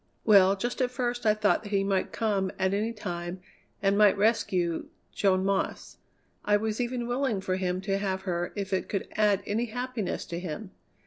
"Well, just at first I thought that he might come at any time and might rescue Joan Moss. I was even willing for him to have her if it could add any happiness to him.